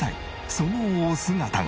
そのお姿が。